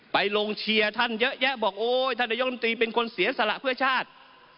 ไปลงเชียร์ท่านเยอะแยะบอกโอ๊ยท่านนายกรรมตรีเป็นคนเสียสละเพื่อชาติ